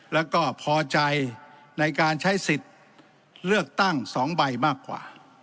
แล้วก็พอใจในการใช้สิทธิ์เลือกตั้ง๒ใบมากกว่า